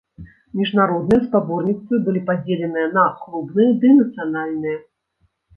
Міжнародныя спаборніцтвы былі падзеленыя на клубныя ды нацыянальныя.